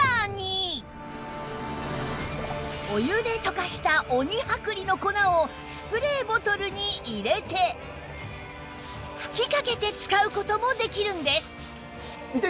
お湯で溶かした鬼剥離の粉をスプレーボトルに入れて吹きかけて使う事もできるんです